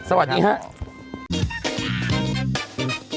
สวัสดีครับ